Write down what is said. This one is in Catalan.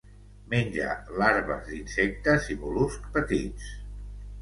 Menja larves d'insectes i mol·luscs petits.